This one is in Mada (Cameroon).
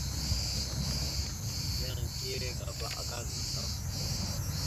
Yan ikire agaba, aka zam daf.